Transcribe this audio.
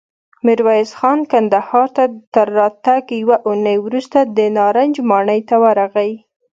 ميرويس خان کندهار ته تر راتګ يوه اوونۍ وروسته د نارنج ماڼۍ ته ورغی.